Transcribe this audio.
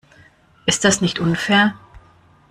Ist das nicht unfair?